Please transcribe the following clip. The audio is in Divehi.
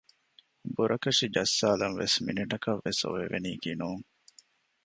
ބުރަކަށި ޖައްސާލަންވެސް މިނެޓަކަށް ވެސް އޮވެވެނީކީ ނޫން